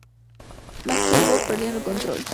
Maxi-single: ""Perdiendo El Control"".